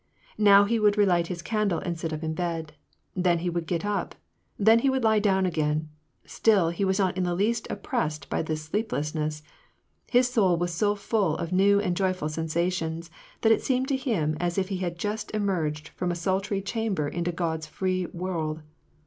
Now he would relight his candle and sit up in bed ; then he would get up ; then he would lie down again : still, he was not in the least oppressed by this sleeplessness : his soul was so full of new and joyful sensa tions, that it seemed to him as if he had just emerged from a sultry chamber into God's free world.